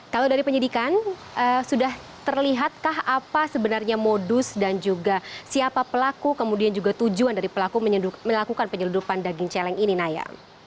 kalau dari penyidikan sudah terlihatkah apa sebenarnya modus dan juga siapa pelaku kemudian juga tujuan dari pelaku melakukan penyeludupan daging celeng ini naya